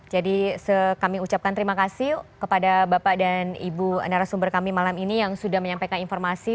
kami ucapkan terima kasih kepada bapak dan ibu narasumber kami malam ini yang sudah menyampaikan informasi